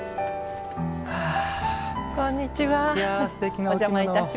こんにちは。